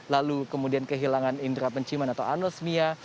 lalu kemudian kehilangan indera penciuman atau anosmia